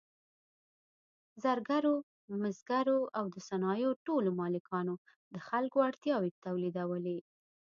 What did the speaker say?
زرګرو، مسګرو او د صنایعو ټولو مالکانو د خلکو اړتیاوې تولیدولې.